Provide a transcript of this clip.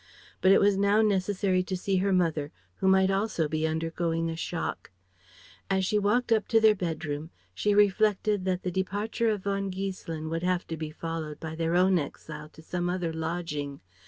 But it was now necessary to see her mother who might also be undergoing a shock. As she walked up to their bedroom she reflected that the departure of von Giesselin would have to be followed by their own exile to some other lodging.